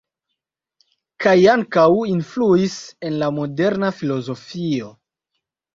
Kaj ankaŭ influis en la moderna filozofio.